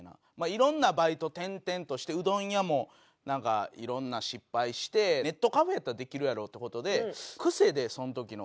いろんなバイト転々としてうどん屋もなんかいろんな失敗してネットカフェやったらできるやろって事で癖でその時の。